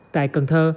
tại cần thơ